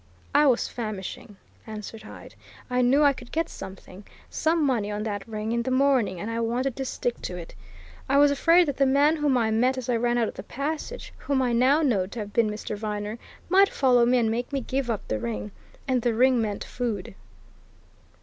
"I was famishing!" answered Hyde. "I knew I could get something, some money, on that ring, in the morning, and I wanted to stick to it. I was afraid that the man whom I met as I ran out of the passage, whom I now know to have been Mr. Viner, might follow me and make me give up the ring. And the ring meant food."